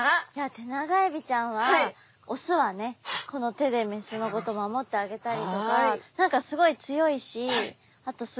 テナガエビちゃんは雄はねこの手で雌のこと守ってあげたりとか何かすごい強いしあとすごいおいしかったので。